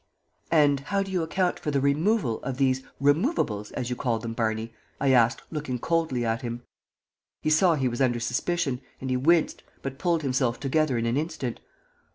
"And how do you account for the removal of these removables, as you call them, Barney?" I asked, looking coldly at him. He saw he was under suspicion, and he winced, but pulled himself together in an instant.